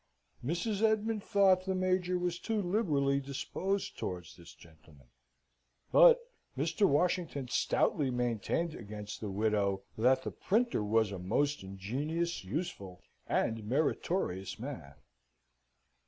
Mrs. Esmond thought the Major was too liberally disposed towards this gentleman; but Mr. Washington stoutly maintained against the widow that the printer was a most ingenious, useful, and meritorious man.